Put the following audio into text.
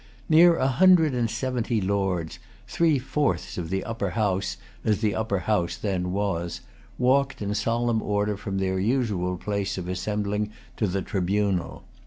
Near a hundred and seventy lords, three fourths of the Upper House as the Upper House then was, walked in solemn order from their usual place of assembling to the tribunal.